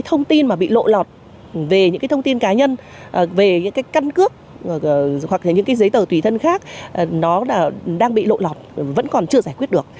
thông tin mà bị lộ lọt về những cái thông tin cá nhân về những cái căn cước hoặc những cái giấy tờ tùy thân khác nó đang bị lộ lọt vẫn còn chưa giải quyết được